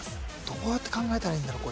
どうやって考えたらいいんだろう